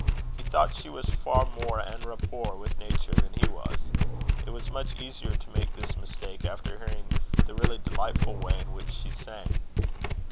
He thought she was far more en rapport with nature than he was. It was much easier to make this mistake after hearing the really delightful way in which she sang.